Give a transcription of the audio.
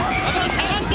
下がって！